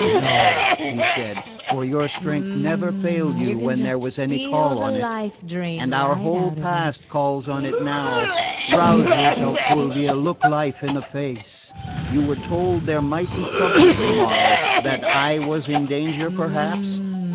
"No," he said, "for your strength never failed you when there was any call on it; and our whole past calls on it now. Rouse yourself, Fulvia: look life in the face! You were told there might be troubles tomorrow that I was in danger, perhaps?"